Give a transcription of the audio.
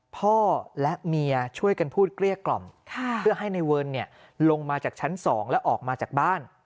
พ่อและเมียช่วยกันพูดเกลี้ยกล่อมเพื่อให้ในเวิร์นลงมาจากชั้น๒แล้วออกมาจากบ้าน